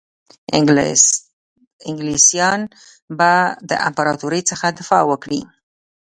انګلیسیان به د امپراطوري څخه دفاع وکړي.